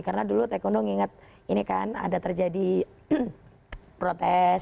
karena dulu tekundu nginget ini kan ada terjadi protes